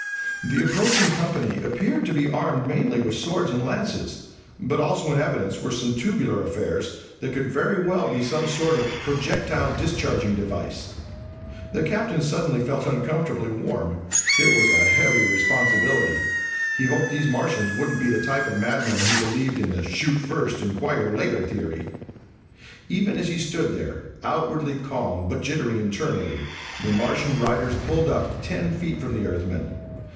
The approaching company appeared to be armed mainly with swords and lances, but also in evidence were some tubular affairs that could very well be some sort of projectile discharging device. The Captain suddenly felt unaccountably warm. It was a heavy responsibility he hoped these Martians wouldn't be the type of madmen who believed in the "shoot first, inquire later" theory. Even as he stood there, outwardly calm but jittering internally, the Martian riders pulled up ten feet from the Earthmen.